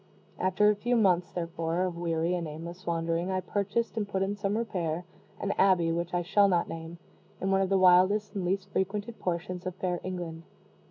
After a few months, therefore, of weary and aimless wandering, I purchased and put in some repair, an abbey, which I shall not name, in one of the wildest and least frequented portions of fair England.